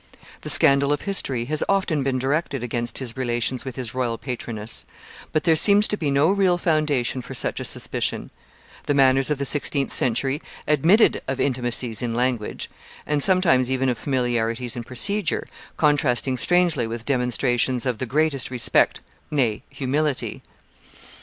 The scandal of history has often been directed against his relations with his royal patroness; but there seems to be no real foundation for such a suspicion; the manners of the sixteenth century admitted of intimacies in language, and sometimes even of familiarities in procedure, contrasting strangely with demonstrations of the greatest respect, nay, humility.